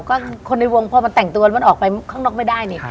ก็คนในวงพอมันแต่งตัวมันออกไปข้างนอกไม่ได้นี่